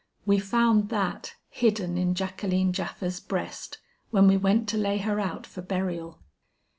"We found that hidden in Jacqueline Japha's breast, when we went to lay her out for burial."